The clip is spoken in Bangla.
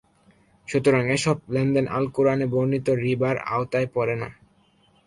সুতরাং এসব লেনদেন "আল-কুরআনে" বর্ণিত ‘রিবা’র আওতায় পড়ে না।